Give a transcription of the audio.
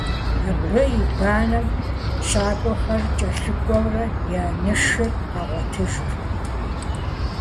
Абы и банэм щакӀуэхэр кӀэлъыкӀуэурэ, я нышыр къагъуэтыжырт.